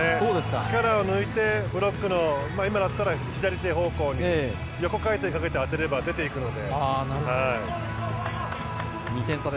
力を抜いてブロックの今だったら左手方向に横回転かけて当てれば出て行くので。